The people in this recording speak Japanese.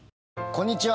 こんにちは。